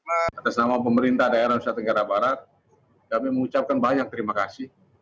atas nama pemerintah daerah nusa tenggara barat kami mengucapkan banyak terima kasih